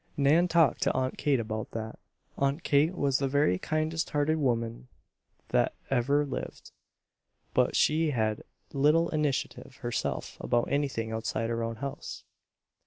Nan talked to Aunt Kate about that. Aunt Kate was the very kindest hearted woman that ever lived; but she had little initiative herself about anything outside her own house.